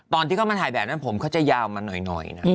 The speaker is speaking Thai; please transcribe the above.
ตอนที่เขามาถ่ายแบบนั้นผมเขาจะยาวมาหน่อยนะ